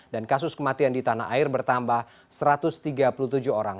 dan kasus kematian di tanah air bertambah satu ratus tiga puluh tujuh orang